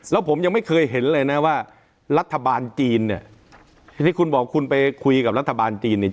แล้วผมยังไม่เคยเห็นเลยนะว่ารัฐบาลจีนเนี่ยที่คุณบอกคุณไปคุยกับรัฐบาลจีนเนี่ย